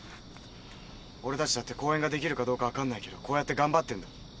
俺たちだって公演ができるかどうか分かんないけどこうやって頑張ってんだ。